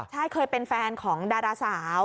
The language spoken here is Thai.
ใช่เคยเป็นแฟนของดาราสาว